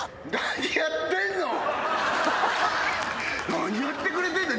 何やってくれてんの？